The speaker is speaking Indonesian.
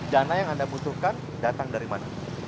dana yang anda butuhkan datang dari mana